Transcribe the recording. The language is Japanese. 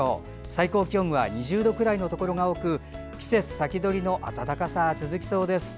最高気温は２０度くらいのところが多く季節先取りの暖かさが続きそうです。